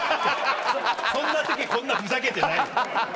そんな時こんなふざけてないわ。